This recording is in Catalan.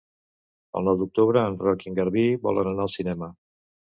El nou d'octubre en Roc i en Garbí volen anar al cinema.